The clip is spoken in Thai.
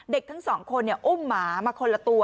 ทั้งสองคนอุ้มหมามาคนละตัว